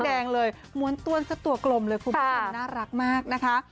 แดงเลยม้วนต้วนสักตัวกลมเลยคุณผู้ชมน่ารักมากนะคะ